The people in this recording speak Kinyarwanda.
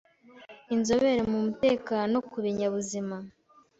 inzobere mu mutekano ku binyabuzima